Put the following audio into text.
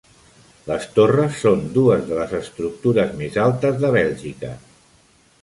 Les torres són dues de les estructures més altes de Bèlgica.